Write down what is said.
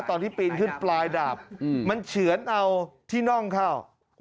ตอนที่ปีนขึ้นปลายดาบมันเฉือนเอาที่น่องเข้า